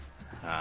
あ！